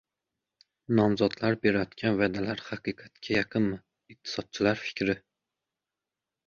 Nomzodlar berayotgan va’dalar haqiqatga yaqinmi? – Iqtisodchi fikri